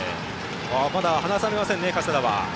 離されません、加世田は。